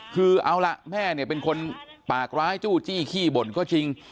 คือเอาล่ะแม่เนี่ยเป็นคนปากร้ายจู้จี้ขี้บ่นก็จริง